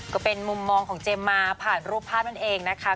ก็เป็นมุมมองของเจมส์มาผ่านรูปภาพนั่นเองนะคะ